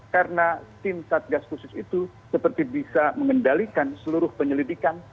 karena tim satgas khusus itu seperti bisa mengendalikan seluruh penyelidikan